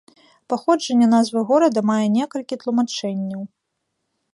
Паходжанне назвы горада мае некалькі тлумачэнняў.